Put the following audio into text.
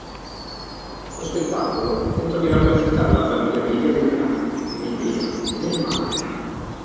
Lo spettacolo tentò di rappresentare la famiglia "media" americana, nel bene e nel male.